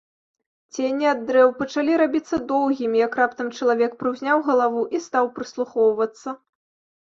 Цені ад дрэў пачалі рабіцца доўгімі, як раптам чалавек прыўзняў галаву і стаў прыслухоўвацца.